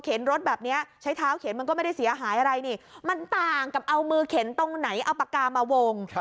รถแบบนี้ใช้เท้าเข็นมันก็ไม่ได้เสียหายอะไรนี่มันต่างกับเอามือเข็นตรงไหนเอาปากกามาวง